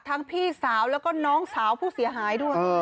พี่สาวแล้วก็น้องสาวผู้เสียหายด้วย